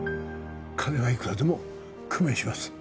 金はいくらでも工面します